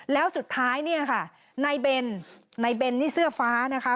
แล้วสุดท้ายเนี่ยค่ะนายเบนนายเบนนี่เสื้อฟ้านะคะ